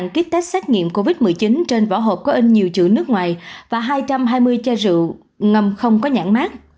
ba kit test xét nghiệm covid một mươi chín trên vỏ hộp có in nhiều chữ nước ngoài và hai trăm hai mươi che rượu ngầm không có nhãn mát